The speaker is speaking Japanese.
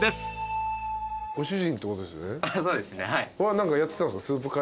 何かやってたんすか？